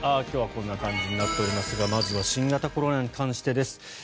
今日はこんな感じになっておりますがまずは新型コロナに関してです。